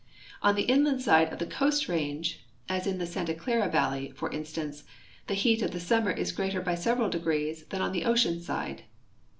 On the inland side of the Coast range, as in the Santa Clara valley, for instance, the heat of the summer is greater by several degrees than on the ocean side.